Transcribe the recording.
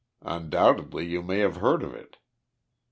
Undoubtedly you may have heard of it.